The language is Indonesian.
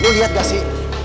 nih liat gak sih